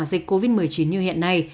dịch covid một mươi chín như hiện nay